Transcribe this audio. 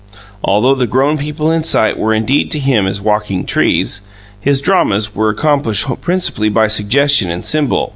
Although the grown people in sight were indeed to him as walking trees, his dramas were accomplished principally by suggestion and symbol.